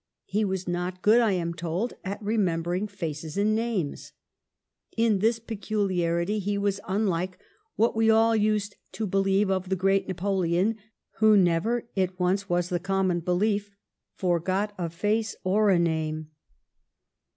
He was not good, I am told, at remember ing faces and names. In this peculiarity he was unlike what we all used to believe of the great Napoleon, who never, it once was the common be lief, forgot a face or a name.